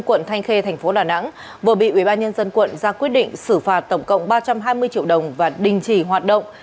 quận thanh khê tp đà nẵng vừa bị ubnd ra quyết định xử phạt tổng cộng ba trăm hai mươi triệu đồng và đình chỉ hoạt động